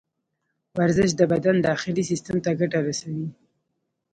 ورزش د بدن داخلي سیستم ته ګټه رسوي.